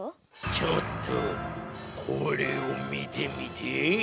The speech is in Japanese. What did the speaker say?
ちょっとこれを見てみて。